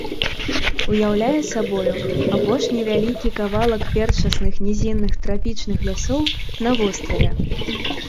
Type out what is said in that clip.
Уяўляе сабою апошні вялікі кавалак першасных нізінных трапічных лясоў на востраве.